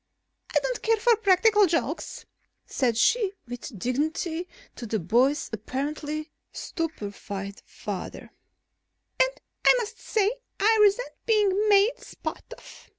"I don't care for practical jokes," said she with dignity to the boy's apparently stupefied father, "and I must say I resent being made sport of.